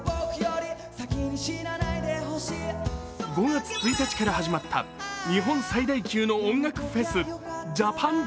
５月１日から始まった日本最大級の音楽フェス、ＪＡＰＡＮＪＡＭ。